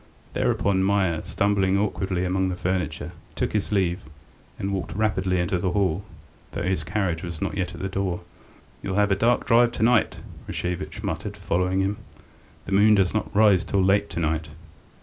Thereupon Meier, stumbling awkwardly among the furniture, took his leave, and walked rapidly into the hall, though his carriage was not yet at the door. "You'll have a dark drive to night," Rashevitch muttered, following him. "The moon does not rise till late to night."